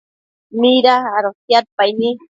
mida adotiadpaini